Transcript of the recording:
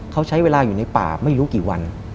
เขาใช้เวลาอยู่ในป่าไม่รู้กี่วัน